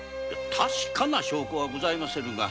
確かな証拠はございませぬが。